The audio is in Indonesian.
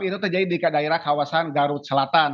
itu terjadi di daerah kawasan garut selatan